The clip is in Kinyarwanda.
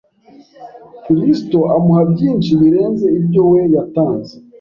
Kristo amuha byinshi birenze ibyo we yatanze